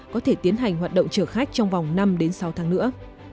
có thể tiến hành hoạt động chở khách trong vòng năm sáu tháng nữa